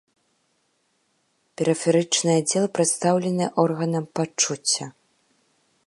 Перыферычны аддзел прадстаўлены органам пачуцця.